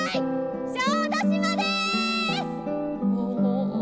小豆島です！